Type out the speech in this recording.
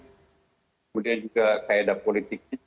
kemudian juga kaedah politiknya